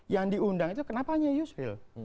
yang diundang itu kenapa hanya yusril